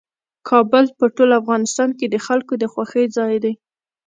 کابل په ټول افغانستان کې د خلکو د خوښې ځای دی.